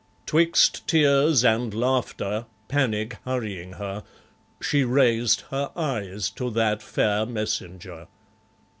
'Twixt tears and laughter, panic hurrying her, She raised her eyes to that fair messenger.